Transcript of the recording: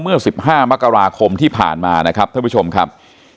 เมื่อ๑๕มกราคมที่ผ่านมานะครับท่านผู้ชมครับ